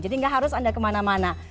jadi gak harus anda kemana mana